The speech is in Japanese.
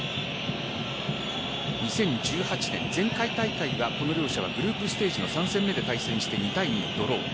２０１８年前回大会はこの両者はグループステージ３戦目で対戦して、２対２のドロー。